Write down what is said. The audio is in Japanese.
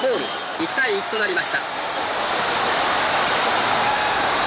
１対１となりました。